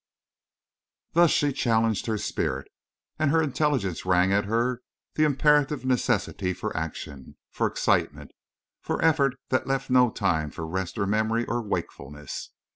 Thus she challenged her spirit. And her intelligence rang at her the imperative necessity for action, for excitement, for effort that left no time for rest or memory or wakefulness.